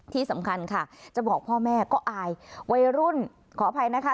ที่สำคัญค่ะจะบอกพ่อแม่ก็อายวัยรุ่นขออภัยนะคะ